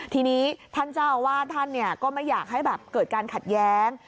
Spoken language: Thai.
ทีนี้ท่านเจ้าอาวาสท่านก็ไม่อยากให้แบบเกิดการขัดแย้ง